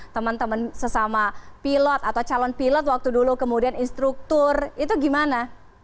teman teman sesama pilot atau calon pilot waktu dulu kemudian instruktur itu gimana